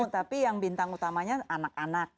tapi yang bintang utamanya anak anak